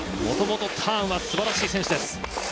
もともとターンは素晴らしい選手です。